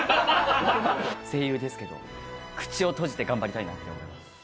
声優ですけど、口を閉じて頑張りたいなって思います。